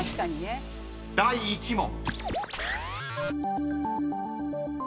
［第１問］